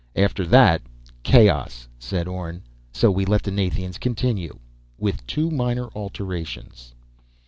"After that: chaos," said Orne. "So we let the Nathians continue ... with two minor alterations."